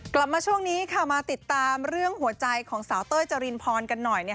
กลับมาช่วงนี้มาติดตามเรื่องหัวใจของสาวเต้ยจรินพรกันหน่อย